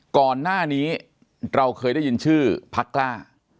ก่อนหน้านี้เราเคยได้ยินชื่อพักกล้า